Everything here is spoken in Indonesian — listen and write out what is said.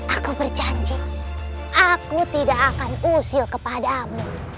aku berjanji aku tidak akan usil kepadamu